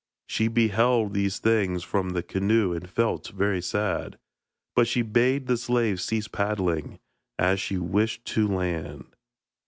She beheld these things from the canoe and felt very sad, but she bade the slaves cease paddling, as she wished to land.